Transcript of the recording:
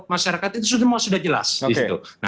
untuk kebutuhan yang lain